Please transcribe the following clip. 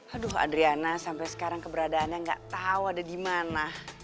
aduh adriana sampe sekarang keberadaannya gak tau ada dimana